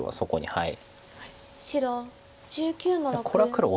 はい。